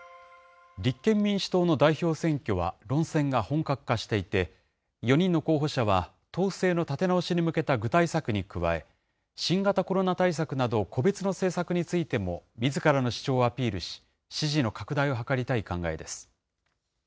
立憲民主党の代表選挙は論戦が本格化していて、４人の候補者は党勢の立て直しに向けた具体策に加え、新型コロナ対策など、個別の政策についてもみずからの主張をアピールし、支持の拡大を図りたい考えです。